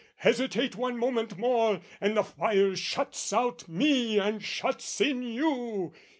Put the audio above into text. Hesitate one moment more "And the fire shuts out me and shuts in you!